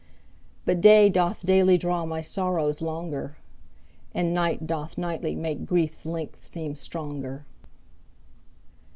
But day doth daily draw my sorrows longer, And night doth nightly make grief's length seem stronger.